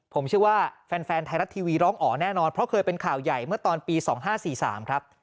ผมเชื่อว่าแฟนไทยรัฐทีวีร้องอ๋อแน่นอนเพราะเคยเป็นข่าวใหญ่เมื่อตอนปี๒๕๔๓ครับ